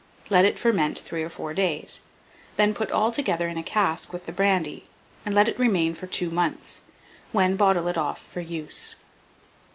Let it ferment 3 or 4 days; then put all together in a cask with the brandy, and let it remain for 2 months, when bottle it off for use.